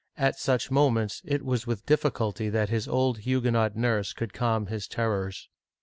At such moments it was with difficulty that his old Huguenot nurse could calm his terrors.